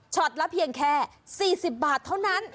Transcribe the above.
ตละเพียงแค่๔๐บาทเท่านั้น